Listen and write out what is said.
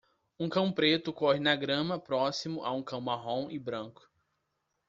Um cão preto corre na grama próximo a um cão marrom e branco.